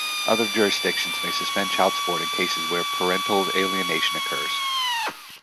Other jurisdictions may suspend child support in cases where parental alienation occurs.